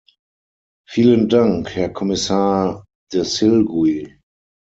Vielen Dank, Herr Kommissar de Silguy.